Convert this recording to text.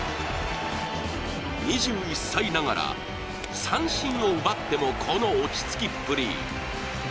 ２１歳ながら、三振を奪ってもこの落ち着きっぷり。